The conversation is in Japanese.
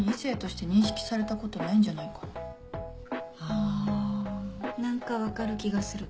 うん何か分かる気がする。